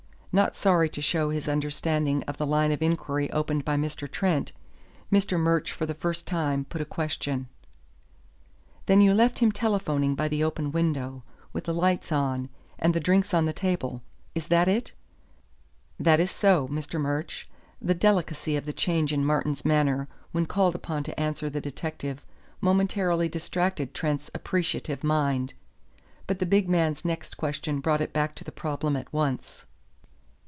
Not sorry to show his understanding of the line of inquiry opened by Trent, Mr. Murch for the first time put a question: "Then you left him telephoning by the open window, with the lights on, and the drinks on the table; is that it?" "That is so, Mr. Murch." The delicacy of the change in Martin's manner when called upon to answer the detective momentarily distracted Trent's appreciative mind. But the big man's next question brought it back to the problem at once.